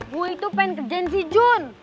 gue itu pengen kerjaan si jun